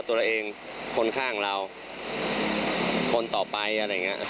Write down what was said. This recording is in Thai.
ตัวเองคนข้างเราคนต่อไปอะไรอย่างนี้